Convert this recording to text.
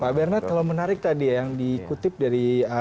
pak bernard kalau menarik tadi ya yang dikutip dari